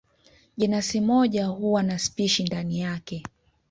Jenasi moja huwa na spishi ndani yake.